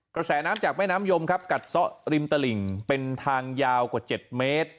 กระแสน้ำจากแม่น้ำยมครับกัดซะริมตลิ่งเป็นทางยาวกว่า๗เมตร